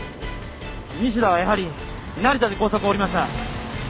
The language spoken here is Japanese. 西田はやはり成田で高速を降りました。